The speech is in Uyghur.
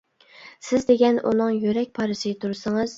سىز دېگەن ئۇنىڭ يۈرەك پارىسى تۇرسىڭىز.